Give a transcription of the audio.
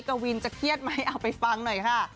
กวินจะเครียดไหมเอาไปฟังหน่อยค่ะ